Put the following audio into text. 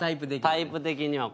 タイプ的には。